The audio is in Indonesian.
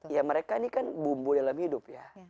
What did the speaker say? ya mereka ini kan bumbu dalam hidup ya